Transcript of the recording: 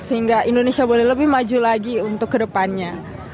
sehingga indonesia boleh lebih maju lagi untuk ke depannya